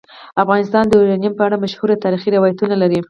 افغانستان د یورانیم په اړه مشهور تاریخی روایتونه لري.